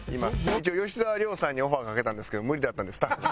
一応吉沢亮さんにオファーかけたんですけど無理だったんでスタッフに。